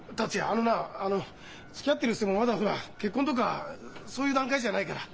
あのなあのつきあってるっつってもまだほら結婚とかそういう段階じゃないから。